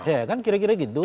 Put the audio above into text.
ya kan kira kira gitu